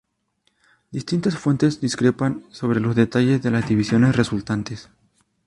Distintas fuentes discrepan sobre los detalles de las divisiones resultantes.